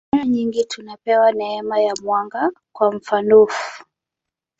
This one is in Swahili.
Mara nyingi tunapewa neema ya mwanga, kwa mfanof.